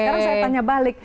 sekarang saya tanya balik